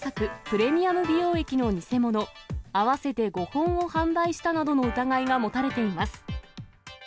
プレミアム美容液の偽物合わせて５本を販売したなどの疑いが持たれています。